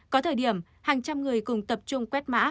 có thời điểm hàng trăm người cùng tập trung quét mã